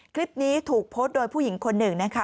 คลิปนี้ถูกโพสต์โดยผู้หญิงคนหนึ่งนะคะ